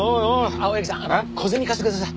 青柳さん小銭貸してください。